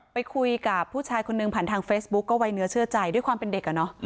ไปคุยกับผู้ชายคนหนึ่งผ่านทางเฟซบุ๊กก็ไว้เนื้อเชื่อใจด้วยความเป็นเด็ก